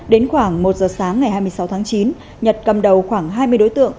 đến khoảng một giờ sáng ngày hai mươi sáu tháng chín nhật cầm đầu khoảng hai mươi đối tượng